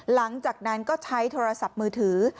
หลังจากนั้นก็ใช้โทรศัพท์มือถือ